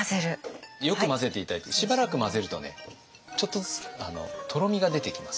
よく混ぜて頂いてしばらく混ぜるとねちょっとずつとろみが出てきます。